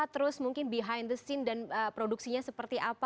terus mungkin behind the scene dan produksinya seperti apa